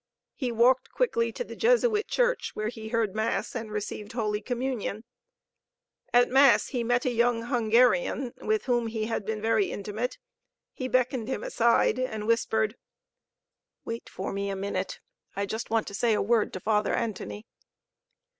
He walked quickly to the Jesuit church, where he heard Mass and received Holy Communion. At Mass he met a young Hungarian, with whom he had been very intimate. He beckoned him aside and whispered: "Wait for me a minute. I just want to say a word to Father Antoni."